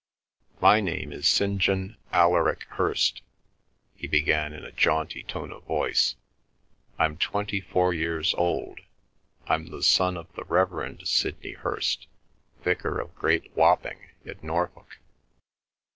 "My name is St. John Alaric Hirst," he began in a jaunty tone of voice. "I'm twenty four years old. I'm the son of the Reverend Sidney Hirst, vicar of Great Wappyng in Norfolk.